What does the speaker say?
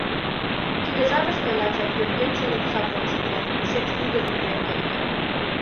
Тиде жапыште лачак пӧртӧнчыл омса почылто, тушеч ӱдыр мурен лекте.